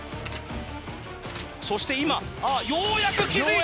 そして今ようやく気付いた！